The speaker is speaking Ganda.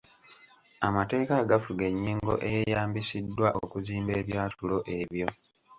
Amateeka agafuga ennyingo ageeyambisiddwa okuzimba ebyatulo ebyo.